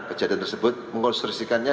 kejadian tersebut mengkonstruksikannya